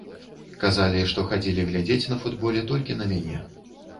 Казалі, што хадзілі глядзець на футболе толькі на мяне.